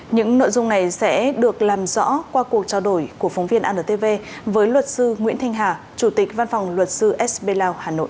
những nội dung này sẽ được làm rõ qua cuộc trao đổi của phóng viên antv với luật sư nguyễn thanh hà chủ tịch văn phòng luật sư sb lao hà nội